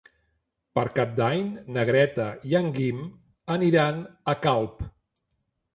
Per Cap d'Any na Greta i en Guim aniran a Calp.